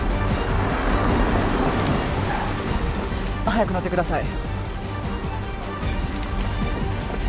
早く乗ってください